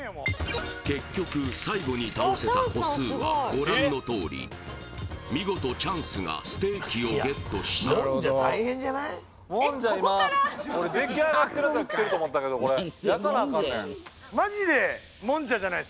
結局最後に倒せた個数はご覧のとおり見事チャンスがステーキをゲットしたおい！